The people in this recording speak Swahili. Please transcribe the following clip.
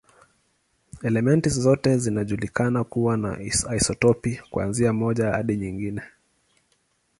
Elementi zote zinajulikana kuwa na isotopi, kuanzia moja hadi nyingi.